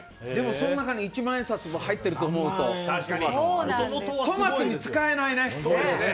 その中に一万円札が入っていると思うと、粗末に使えないね。